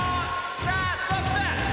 さあストップ！